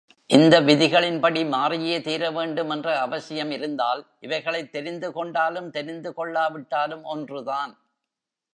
இந்த விதிகளின்படி மாறியே தீர வேண்டும் என்ற அவசியம் இருந்தால், இவைகளைத் தெரிந்துகொண்டாலும், தெரிந்துகொள்ளாவிட்டாலும் ஒன்றுதான்.